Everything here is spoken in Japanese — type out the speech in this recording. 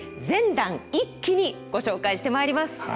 全段一気にご紹介してまいります。